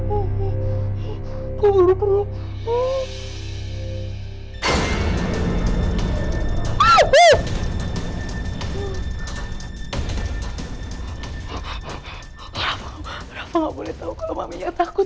oh rafa gak boleh tau kalau maminya takut